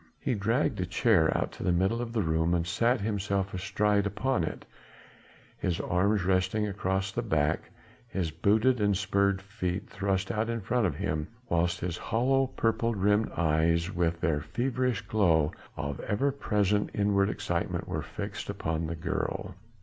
He dragged a chair out to the middle of the room and sat himself astride upon it, his arms resting across the back, his booted and spurred feet thrust out in front of him, whilst his hollow, purple rimmed eyes with their feverish glow of ever present inward excitement were fixed upon the girl.